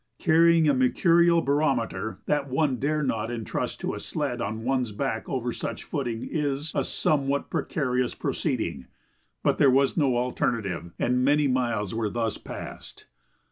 Carrying a mercurial barometer that one dare not intrust to a sled on one's back over such footing is a somewhat precarious proceeding, but there was no alternative, and many miles were thus passed.